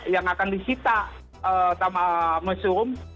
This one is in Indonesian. yang akan dihita oleh mesurum